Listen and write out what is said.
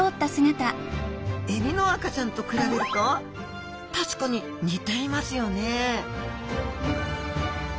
エビの赤ちゃんと比べると確かに似ていますよね